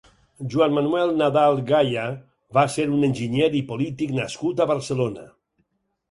Joan Manuel Nadal Gaya va ser un enginyer i polític nascut a Barcelona.